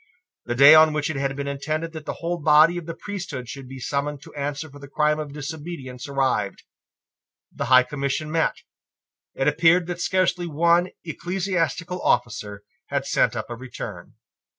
The day on which it had been intended that the whole body of the priesthood should be summoned to answer for the crime of disobedience arrived. The High Commission met. It appeared that scarcely one ecclesiastical officer had sent up a return.